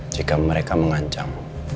jika mereka mengancam